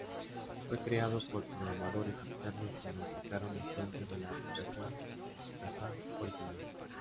Fue creado por programadores externos que modificaron la fuente de la aplicación Kazaa original.